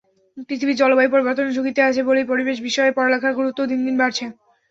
পৃথিবী জলবায়ু পরিবর্তনের ঝুঁকিতে আছে বলেই পরিবেশ বিষয়ে পড়ালেখার গুরুত্বও দিন দিন বাড়ছে।